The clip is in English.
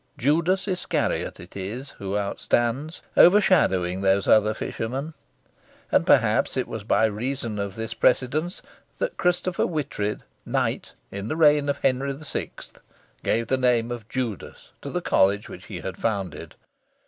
Judas Iscariot it is who outstands, overshadowing those other fishermen. And perhaps it was by reason of this precedence that Christopher Whitrid, Knight, in the reign of Henry VI., gave the name of Judas to the College which he had founded.